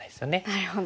なるほど。